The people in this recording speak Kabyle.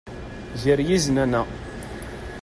Gar yiznan-a.